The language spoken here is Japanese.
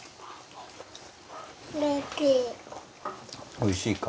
おいしいか。